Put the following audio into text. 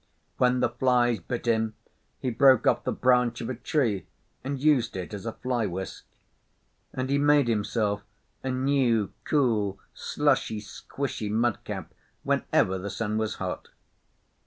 When the flies bit him he broke off the branch of a tree and used it as fly whisk; and he made himself a new, cool, slushy squshy mud cap whenever the sun was hot.